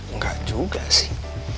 enggak juga sih